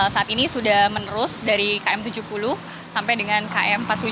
saat ini sudah menerus dari km tujuh puluh sampai dengan km empat puluh tujuh